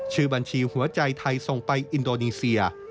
ชื่อบัญชีหัวใจไทยส่งไปอินโดนีเซีย